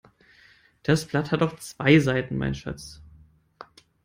Das Blatt hat doch zwei Seiten, mein Schatz.